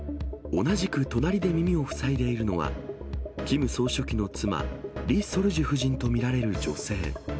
同じく隣で耳を塞いでいるのは、キム総書記の妻、リ・ソルジュ夫人と見られる女性。